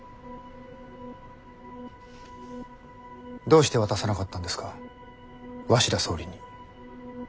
どうして渡さなかったんですか鷲田総理に。